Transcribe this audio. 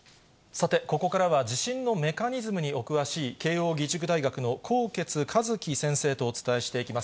さて、ここからは地震のメカニズムにお詳しい、慶応義塾大学の纐纈一起先生とお伝えしていきます。